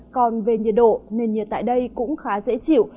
còn về nhiệt độ nền nhiệt tại đây cũng khá dễ chịu